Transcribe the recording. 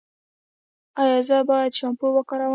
ایا زه باید شامپو وکاروم؟